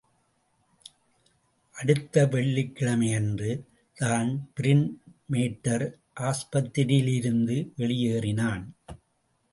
அடுத்த வெள்ளிக்கிழமையன்று தான்பிரின் மேட்டர் ஆஸ்பத்திரியிலிருந்து வெளியேறினான்.